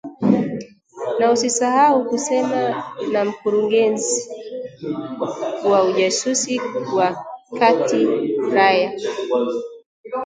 Na usisahau kusema na Mkurugenzi wa Ujasusi wa Kati Rayya